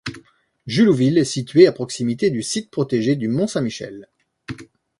Jullouville est située à proximité du site protégé du mont Saint-Michel.